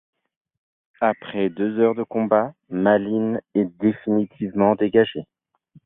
Après deux heures de combat, Malines est définitivement dégagée.